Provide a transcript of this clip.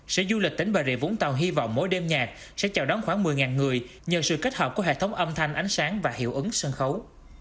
sở du lịch tỉnh bà rịa vũng tàu hy vọng mỗi đêm nhạc sẽ chào đón khoảng một mươi người nhờ sự kết hợp của hệ thống âm thanh ánh sáng và hiệu ứng sân khấu